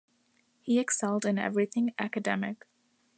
He excelled in everything academic.